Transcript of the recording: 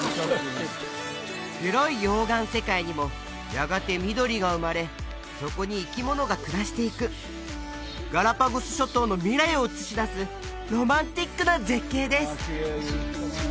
黒い溶岩世界にもやがて緑が生まれそこに生き物が暮らしていくガラパゴス諸島の未来を映し出すロマンチックな絶景です